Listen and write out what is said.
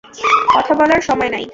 কথা বলার সময় নাই।